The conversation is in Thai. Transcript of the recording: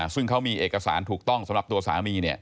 ซึ่งเขามีเอกสารถูกต้องสำหรับตัวสามี